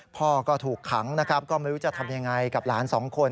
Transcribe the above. พ่อก็ถูกขังนะครับก็ไม่รู้จะทำยังไงกับหลานสองคน